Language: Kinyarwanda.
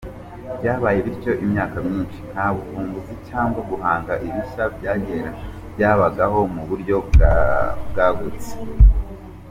Byabaye bityo imyaka myinshi nta buvumbuzi cyangwa guhanga ibishya byabagaho mu buryo bwagutse.